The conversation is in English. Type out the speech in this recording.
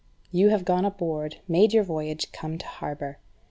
You have gone aboard, made your voyage, come to harbour.